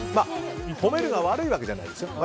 褒めるが悪いわけじゃないですよ。